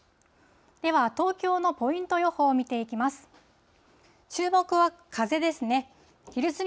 では、東京のポイント予報を見ていきます。